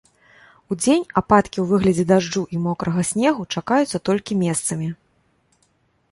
Удзень ападкі ў выглядзе дажджу і мокрага снегу чакаюцца толькі месцамі.